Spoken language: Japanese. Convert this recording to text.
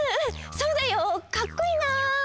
そうだよかっこいいな！